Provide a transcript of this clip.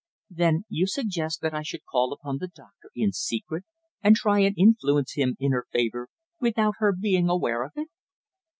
"Then you suggest that I should call upon the doctor in secret, and try and influence him in her favour without her being aware of it?"